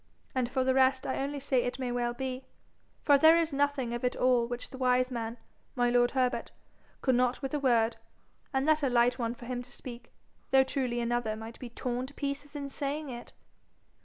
And for the rest I only say it may well be, for there is nothing of it all which the wise man, my lord Herbert, could not with a word and that a light one for him to speak, though truly another might be torn to pieces in saying it.'